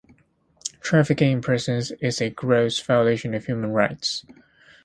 Trafficking in persons is a gross violation of human rights.